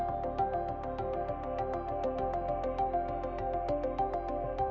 lompat william jangan masuk setelah mengaitkan